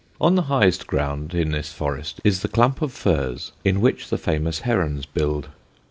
On the highest ground in this forest is the clump of firs in which the famous herons build.